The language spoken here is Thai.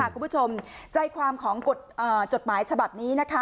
คุณผู้ชมใจความของจดหมายฉบับนี้นะคะ